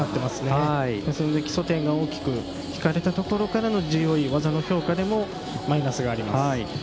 ですので基礎点が大きく引かれたところからのＧＯＥ、技の評価でもマイナスがあります。